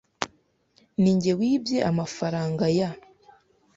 Ninjye wibye amafaranga ya .